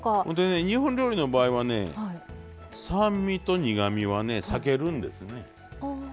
ほんでね日本料理の場合はね酸味と苦みはね避けるんですね。